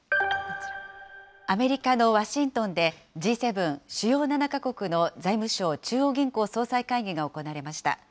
アメリカのワシントンで、Ｇ７・主要７か国の財務相・中央銀行総裁会議が行われました。